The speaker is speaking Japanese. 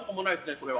それは。